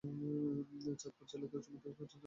চাঁদপুর জেলাতেই উচ্চ মাধ্যমিক পর্যন্ত লেখাপড়া করেন।